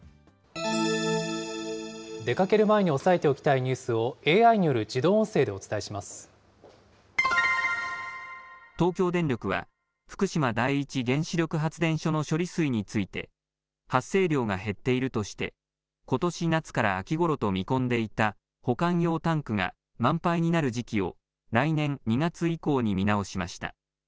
出かける前に押さえておきたいニュースをＡＩによる自動音声東京電力は、福島第一原子力発電所の処理水について、発生量が減っているとして、ことし夏から秋ごろと見込んでいた保管用タンクが満杯になる時期を来年２月以降に見直しました。